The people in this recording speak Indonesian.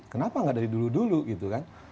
kenapa nggak dari dulu dulu gitu kan